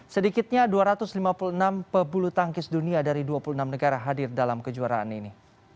sedikitnya dua ratus lima puluh enam pebulu tangkis dunia dari dua puluh enam negara hadir dalam kejuaraan ini